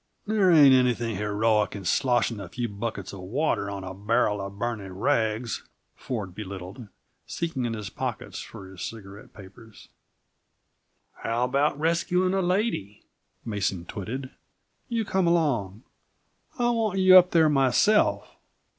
"There ain't anything heroic in sloshing a few buckets of water on a barrel of burning rags," Ford belittled, seeking in his pockets for his cigarette papers. "How about rescuing a lady?" Mason twitted. "You come along. I want you up there myself.